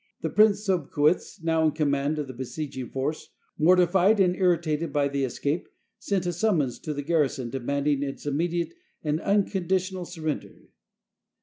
The Prince Sobcuitz, now in command of the besieging force, morti fied and irritated by the escape, sent a summons to the garrison demanding its immediate and unconditional surrender.